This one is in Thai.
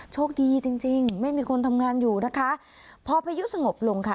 โชคดีจริงจริงไม่มีคนทำงานอยู่นะคะพอพายุสงบลงค่ะ